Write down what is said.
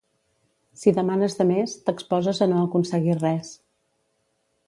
Si demanes de més, t'exposes a no aconseguir res.